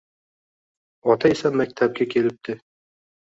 Ota esa maktabga kelibdi.